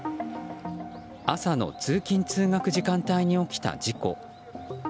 朝の通勤・通学時間帯に起きた事故。